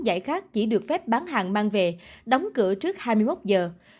giải khác chỉ được phép bán hàng mang về đóng cửa trước hai mươi một giờ